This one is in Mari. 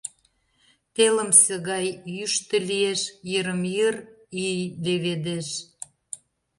Телымсе гай йӱштӧ лиеш, йырым-йыр ий леведеш.